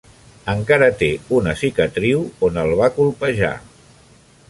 Encara té una cicatriu on el va colpejar.